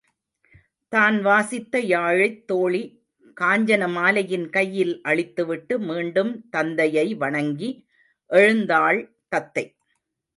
தான் வாசித்த யாழைத் தோழி காஞ்சனமாலையின் கையில் அளித்துவிட்டு மீண்டும் தந்தையை வணங்கி எழுந்தாள் தத்தை.